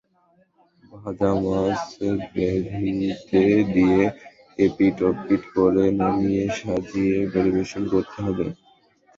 ভাজা মাছ গ্রেভিতে দিয়ে এপিঠ-ওপিঠ করে নামিয়ে সাজিয়ে পরিবেশন করতে হবে।